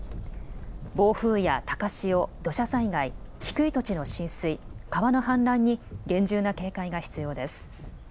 暴風や高潮、土砂災害、低い土地の浸水、川の氾濫に厳重な警戒が必要です。